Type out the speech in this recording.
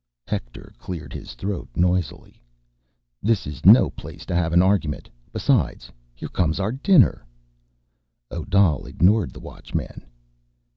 Hector cleared his throat noisily. "This is no place to have an argument ... besides, here comes our dinner." Odal ignored the Watchman.